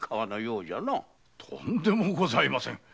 とんでもございません。